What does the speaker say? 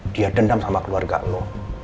dia dendam sama keluarga lo